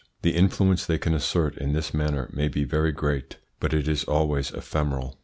The influence they can assert in this manner may be very great, but it is always ephemeral.